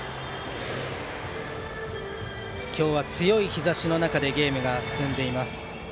今日は強い日ざしの中でゲームが進んでいます。